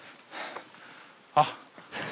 あっ。